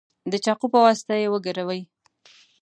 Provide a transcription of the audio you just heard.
د چاقو په واسطه یې وګروئ.